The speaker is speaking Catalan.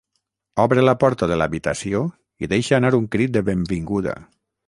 Obre la porta de l'habitació i deixa anar un crit de benvinguda.